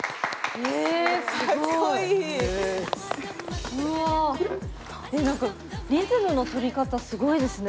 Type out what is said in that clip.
え何かリズムの取り方すごいですね。